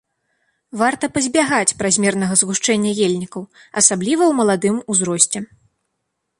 Варта пазбягаць празмернага згушчэння ельнікаў, асабліва ў маладым узросце.